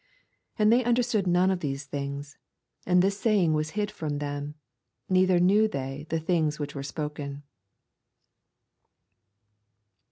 34 And they understood none of these things : and this saying was hid from them, neither knew they the things which were spoken.